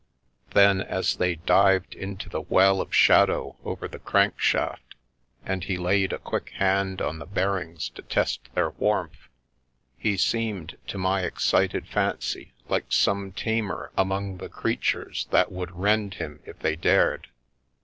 Then, as they dived into the well of shadow over the crank shaft, and he laid a quick hand on the bear ings to test their warmth, he seemed to my excited fancy like some tamer among the creatures that would rend him if they dared.